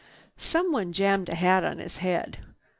Someone jammed a hat on his head.